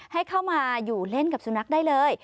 ให้เข้ามาอยู่เล่นกับสุนัขได้เลย